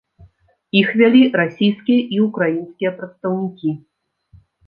Іх вялі расійскія і ўкраінскія прадстаўнікі.